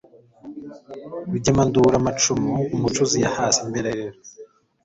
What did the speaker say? Rugemanduru amacumu, Umucuzi yahase imberera,